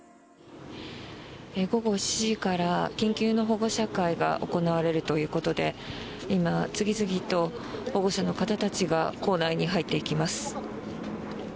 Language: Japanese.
午後７時から緊急の保護者会が行われるということで今、次々と保護者の方たちが校内に入っていきます。